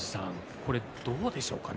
これどうでしょうかね。